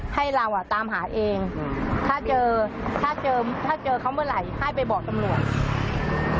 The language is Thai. ให้เราอ่ะตามหาเองถ้าเจอถ้าเจอถ้าเจอเขาเมื่อไหร่ให้ไปบอกตำรวจ